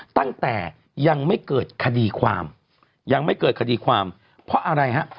ตั้งแต่ยังไม่เกิดคดีความยังไม่เกิดคดีความเพราะอะไรฮะ